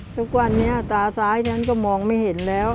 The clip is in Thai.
ทุกวันนี้ตาซ้ายนั้นก็มองไม่เห็นแล้ว